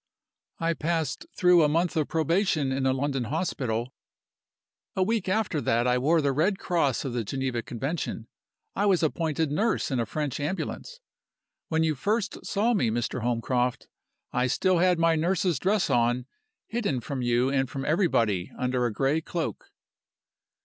"I passed through a month of probation in a London hospital. A week after that I wore the red cross of the Geneva Convention I was appointed nurse in a French ambulance. When you first saw me, Mr. Holmcroft, I still had my nurse's dress on, hidden from you and from everybody under a gray cloak.